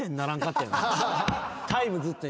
タイムずっと。